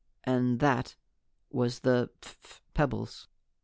And that was the phph pebbles.